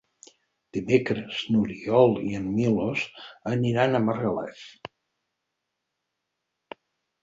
Dimecres n'Oriol i en Milos aniran a Margalef.